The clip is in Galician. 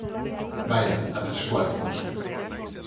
Vaia, a tres cuartos.